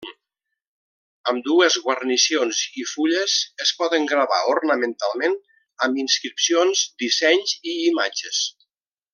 Ambdues guarnicions i fulles es poden gravar ornamentalment amb inscripcions, dissenys i imatges.